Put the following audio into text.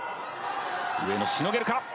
上野、しのげるか。